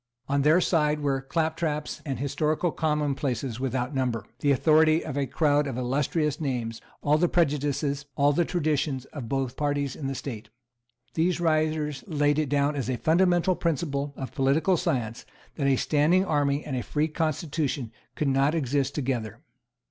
On their side were claptraps and historical commonplaces without number, the authority of a crowd of illustrious names, all the prejudices, all the traditions, of both the parties in the state. These writers laid it down as a fundamental principle of political science that a standing army and a free constitution could not exist together.